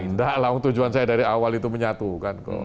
enggak lah tujuan saya dari awal itu menyatukan kok